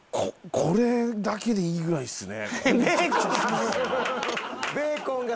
これだけで米いきたいぐらいですね。